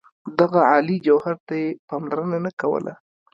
دغه عالي جوهر ته یې پاملرنه نه کوله.